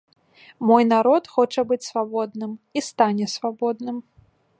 Мой народ хоча быць свабодным і стане свабодным.